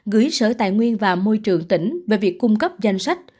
gửi sở tài nguyên và môi trường tỉnh về việc cung cấp danh sách